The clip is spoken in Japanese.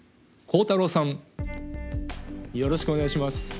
よろしくお願いします。